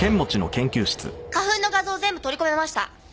花粉の画像全部取り込めました！